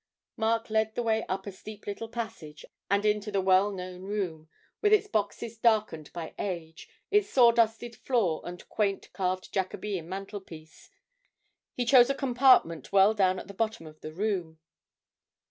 Mark led the way up a steep little passage and into the well known room, with its boxes darkened by age, its saw dusted floor and quaint carved Jacobean mantelpiece. He chose a compartment well down at the bottom of the room.